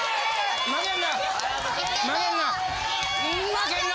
負けるな！